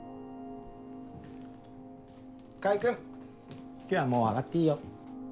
川合君今日はもう上がっていいよ。